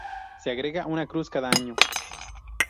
Se agrega una cruz cada año.